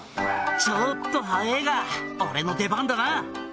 「ちょっと早えぇが俺の出番だな」